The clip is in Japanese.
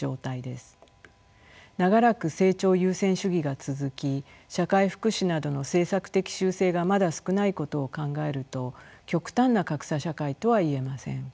長らく成長優先主義が続き社会福祉などの政策的修正がまだ少ないことを考えると極端な格差社会とは言えません。